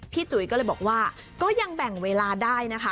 จุ๋ยก็เลยบอกว่าก็ยังแบ่งเวลาได้นะคะ